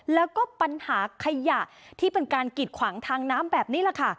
แล้วก็ปัญหาขยะที่เป็นการกิดขวางทางน้ำแบบนี้แหละค่ะ